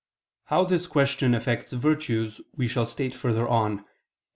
How this question affects virtues we shall state further on (Q.